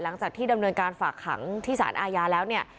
หลังจากที่ดำเนินการฝากขังที่สารอาญาแล้วเนี่ย